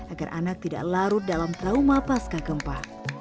agar anak tidak larut dalam trauma pasca gempa